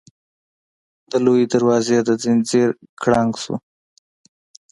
د لويي دروازې د ځنځير کړنګ شو.